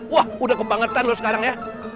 wah udah kebangetan loh sekarang ya